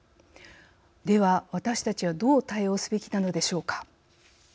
では私たちはどう対応すべきなのでしょうか。